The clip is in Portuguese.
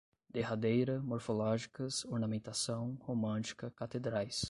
Derradeira, morfológicas, ornamentação, romântica, catedrais